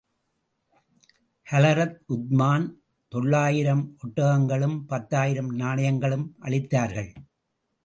ஹலரத் உத்மான் தொள்ளாயிரம் ஒட்டகங்களும், பத்தாயிரம் நாணயங்களும் அளித்தார்கள்.